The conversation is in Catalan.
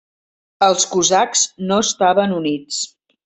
Els cosacs no estaven units.